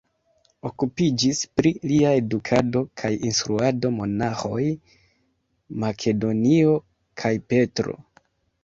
Okupiĝis pri lia edukado kaj instruado monaĥoj Makedonio kaj Petro.